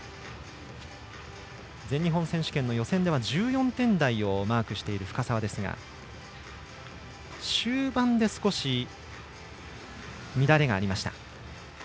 全日本選手権の予選では１４点台をマークしている深沢ですが終盤で少し乱れがありました。